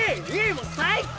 もう最高！